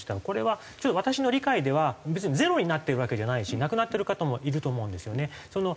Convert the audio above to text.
これは私の理解では別にゼロになってるわけじゃないし亡くなってる方もいると思うんですよね。